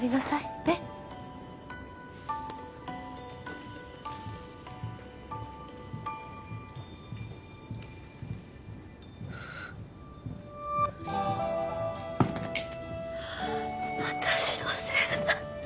ねっ私のせいだ